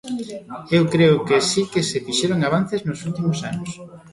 Eu creo que si que se fixeron avances nos últimos anos.